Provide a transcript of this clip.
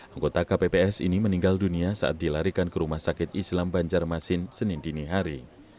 anggota kpps ini meninggal dunia saat dilarikan ke rumah sakit islam banjarmasin senin dinihari